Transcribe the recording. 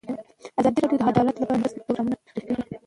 ازادي راډیو د عدالت لپاره د مرستو پروګرامونه معرفي کړي.